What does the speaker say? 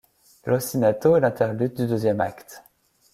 L'ostinato est l'interlude du deuxième acte.